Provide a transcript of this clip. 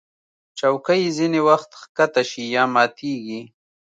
چوکۍ ځینې وخت ښکته شي یا ماتېږي.